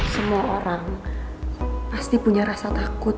semua orang pasti punya rasa takut